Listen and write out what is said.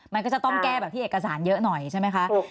มันก็จะต้องแก้แบบที่เอกสารเยอะหน่อยใช่ไหมคะ